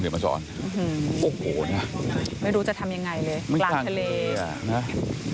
เนี่ยมันสอนหือหาไม่รู้จะทำยังไงเลยไม่ได้ยังไงอ่ะนะ